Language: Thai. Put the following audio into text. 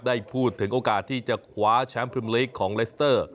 ได้พูดถึงโอกาสที่จะคว้าแชมป์พรีมลีกของเลสเตอร์